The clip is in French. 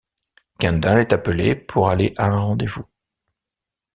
Kendall est appelée pour aller à un rendez-vous.